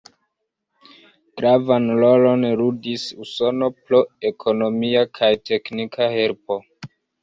Gravan rolon ludis Usono pro ekonomia kaj teknika helpo.